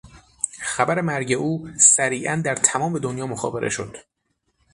خبر مرگ او سریعا در تمام دنیا مخابره شد.